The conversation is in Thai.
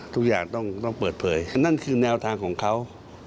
ทุกอย่างต้องเปิดเผยนั่นคือแนวทางของเขา